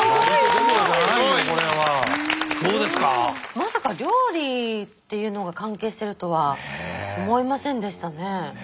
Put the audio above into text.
まさか料理っていうのが関係してるとは思いませんでしたね。ね。